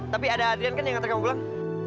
tapi ada adrian kan yang ngantar kamu pulang